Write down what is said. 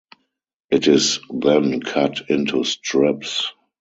It is then cut into strips.